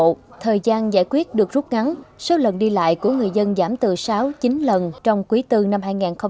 trong thời gian giải quyết được rút ngắn số lần đi lại của người dân giảm từ sáu chín lần trong quý tư năm hai nghìn một mươi bốn